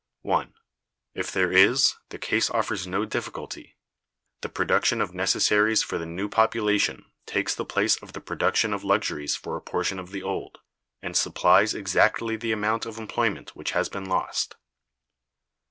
(1.) If there is, the case offers no difficulty. The production of necessaries for the new population takes the place of the production of luxuries for a portion of the old, and supplies exactly the amount of employment which has been lost.